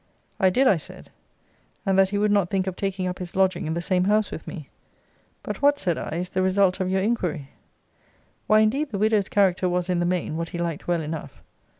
I did, I said; and that he would not think of taking up his lodging in the same house with me. But what, said I, is the result of your inquiry? Why, indeed, the widow's character was, in the main, what he liked well enough.